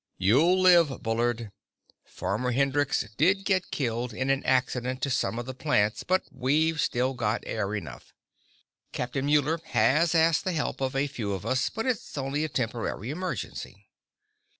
"You'll live, Bullard. Farmer Hendrix did get killed in an accident to some of the plants, but we've still got air enough. Captain Muller has asked the help of a few of us, but it's only a temporary emergency."